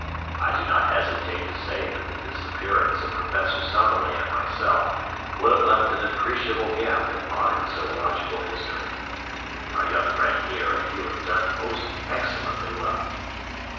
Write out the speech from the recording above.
I do not hesitate to say that the disappearance of Professor Summerlee and myself would have left an appreciable gap in modern zoological history. Our young friend here and you have done most excellently well."